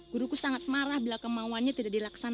guruku sangat marah bila kemauannya tidak dilaksanakan